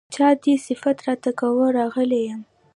چا دې صفت راته کاوه راغلی يمه